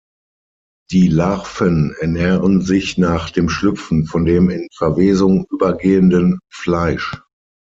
Die Larven ernähren sich nach dem Schlüpfen von dem in Verwesung übergehenden Fleisch.